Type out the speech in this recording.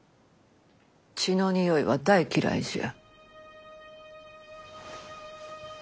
血の臭いは大嫌いじゃ。